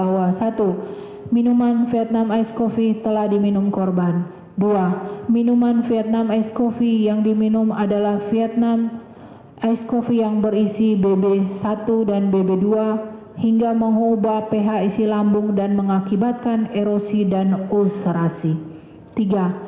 hal ini berdasar dan bersesuaian dengan keterangan ahli toksikologi forensik dr rednath imade agus gilgail wirasuta